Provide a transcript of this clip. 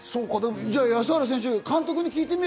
じゃあ安原選手、監督に聞いてみる？